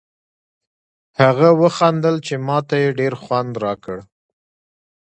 هغه و خندل چې ما ته یې ډېر خوند راکړ.